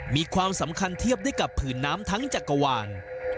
มีความสำคัญเทียบได้กับผืนน้ำทั้งจักรวาล